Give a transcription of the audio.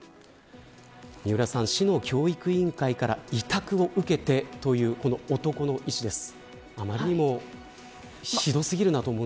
三浦さん、市の教育委員会から委託を受けてという男の医師です。